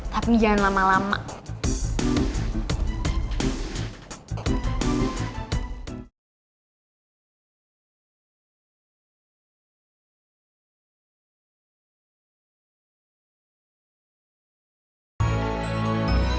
tapi jangan lama lama